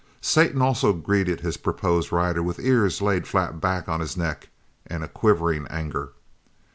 Satan also greeted his proposed rider with ears laid flat back on his neck and a quivering anger.